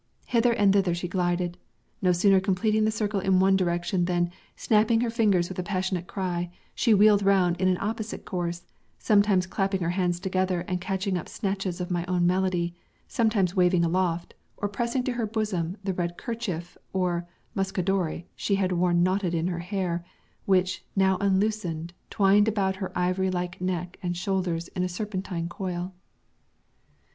Hither and thither she glided, no sooner completing the circle in one direction than, snapping her fingers with a passionate cry, she wheeled round in an opposite course, sometimes clapping her hands together and catching up snatches of my own melody, sometimes waving aloft or pressing to her bosom the red kerchief or mucadore she had worn knotted in her hair, which, now unloosened, twined about her ivory like neck and shoulders in a serpentine coil.